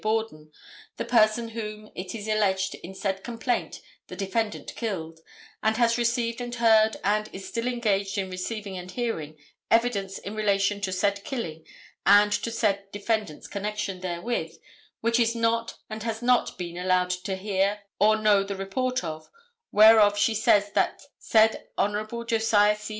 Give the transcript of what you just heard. Borden, the person whom it is alleged in said complaint the defendant killed, and has received and heard and is still engaged in receiving and hearing evidence in relation to said killing and to said defendant's connection therewith which is not and has not been allowed to hear or know the report of, whereof she says that said Hon. Josiah C.